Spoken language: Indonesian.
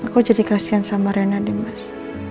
aku jadi kasihan sama rina dimas